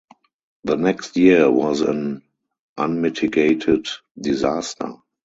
The next year was an unmitigated disaster.